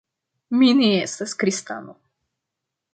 Mi ne estas kristano.